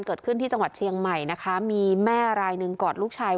เกิดขึ้นที่จังหวัดเชียงใหม่นะคะมีแม่รายหนึ่งกอดลูกชาย